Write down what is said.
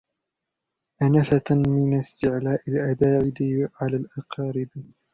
أَنَفَةً مِنْ اسْتِعْلَاءِ الْأَبَاعِدِ عَلَى الْأَقَارِبِ